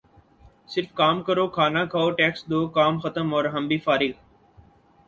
صرف کام کرو کھانا کھاؤ ٹیکس دو کام ختم اور ہم بھی فارخ